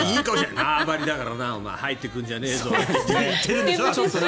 縄張りだからな、お前入ってくんじゃねえぞって言ってるんでしょ？